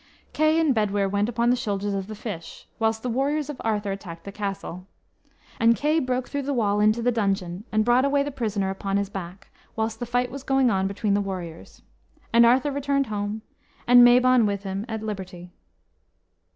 Kay and Bedwyr went upon the shoulders of the fish, whilst the warriors of Arthur attacked the castle. And Kay broke through the wall into the dungeon, and brought away the prisoner upon his back, whilst the fight was going on between the warriors. And Arthur returned home, and Mabon with him at liberty.